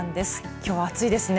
きょうは暑いですね。